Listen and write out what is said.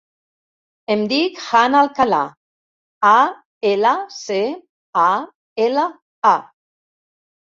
Em dic Hanna Alcala: a, ela, ce, a, ela, a.